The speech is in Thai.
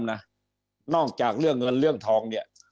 นอกจากเรื่องเงินเรื่องทองเนี่ย